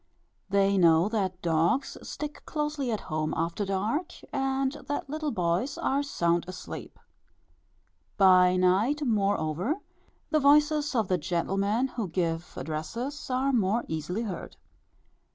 They know that dogs stick closely at home after dark, and that little boys are sound asleep. By night, moreover, the voices of the gentlemen who give addresses are more easily heard.